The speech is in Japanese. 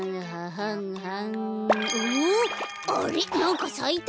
なんかさいたぞ！